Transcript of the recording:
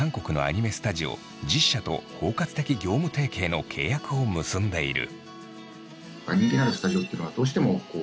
スタジオ１０社と包括的業務提携の契約を結んでいる。